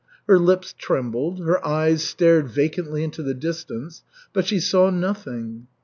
Her lips trembled, her eyes stared vacantly into the distance, but she saw nothing.